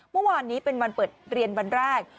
เมื่อวานนี้เป็นวันเปิดเรียนวันแรก